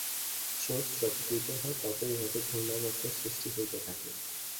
স্রোত যত তীব্র হয়, ততই উহাতে ঘূর্ণাবর্তের সৃষ্টি হইতে থাকে।